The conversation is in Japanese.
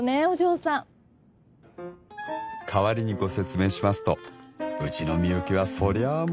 お嬢さん代わりにご説明しますとうちのみゆきはそりゃあ